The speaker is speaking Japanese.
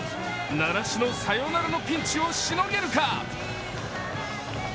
習志野、サヨナラのピンチをしのげるか。